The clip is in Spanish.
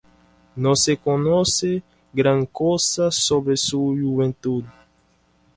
No se conoce gran cosa sobre su juventud.